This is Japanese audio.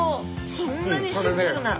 そんなにシンプルな！